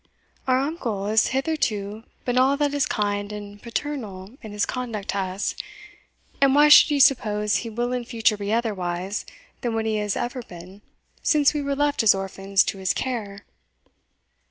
Our uncle has hitherto been all that is kind and paternal in his conduct to us, and why should you suppose he will in future be otherwise than what he has ever been, since we were left as orphans to his care?"